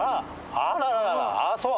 ああそう。